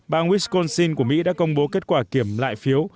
bang wisconsin của mỹ đã công bố kết quả kiểm lại phiếu